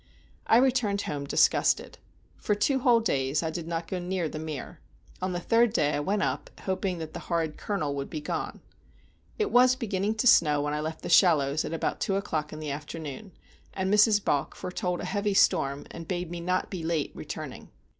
I returned home disgusted. For two whole days I did not go near The Mere. On the third day I went up, hoping that the horrid Colonel would be gone. It was beginning to snow when I left The Shallows at about two o'clock in the afternoon, and Mrs. Balk foretold a heavy storm, and bade me not be late returning.